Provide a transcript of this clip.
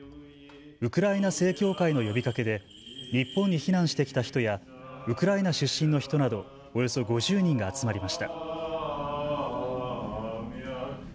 ウクライナ正教会の呼びかけで日本に避難してきた人やウクライナ出身の人などおよそ５０人が集まりました。